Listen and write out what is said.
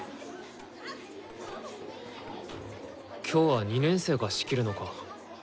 今日は２年生が仕切るのか。